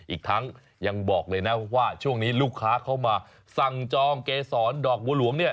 อีกทั้งยังบอกเลยนะว่าช่วงนี้ลูกค้าเข้ามาสั่งจองเกษรดอกบัวหลวงเนี่ย